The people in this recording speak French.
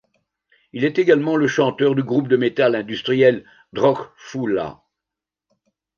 Il est également le chanteur du groupe de métal industriel Droch Fhoula.